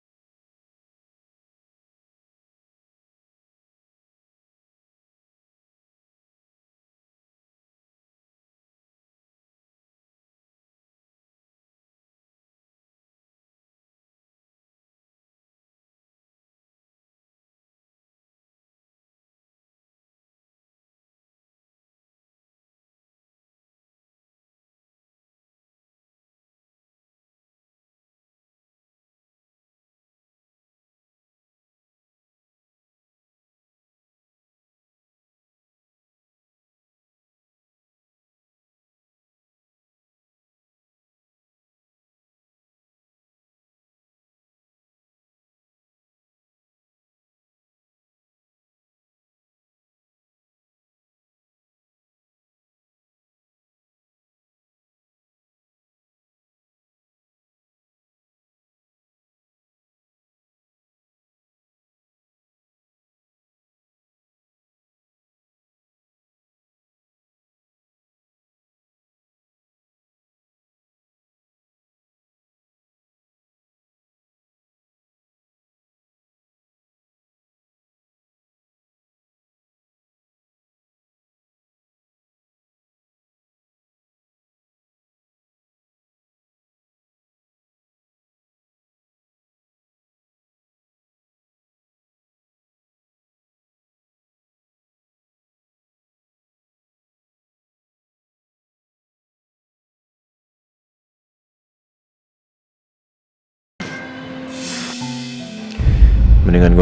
demi kamu papa pasti akan kuat